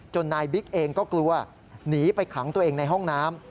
นายบิ๊กเองก็กลัวหนีไปขังตัวเองในห้องน้ำ